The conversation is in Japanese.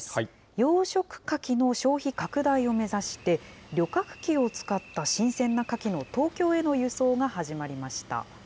養殖カキの消費拡大を目指して、旅客機を使った新鮮なカキの東京への輸送が始まりました。